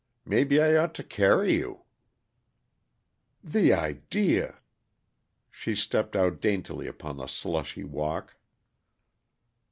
Maybe I ought to carry you." "The idea!" she stepped out daintily upon the slushy walk.